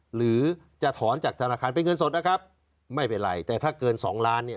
หรือจะถอนจากธนาคารเป็นเงินสดนะครับไม่เป็นไรแต่ถ้าเกินสองล้านเนี่ย